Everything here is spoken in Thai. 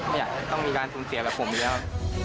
ไม่อยากต้องมีการศูนย์เสียแบบผมอย่างเดียว